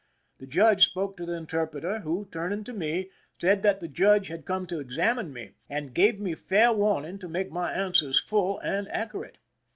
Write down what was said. The judge spoke to the inter pi'eter, who, turning to me, said that the judge had come to examine me, and gave me fair warning to make my answers full and accurate.